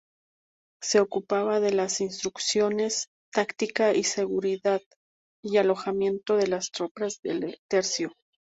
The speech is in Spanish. Se ocupaba de la instrucción táctica, seguridad y alojamiento de las tropas del tercio.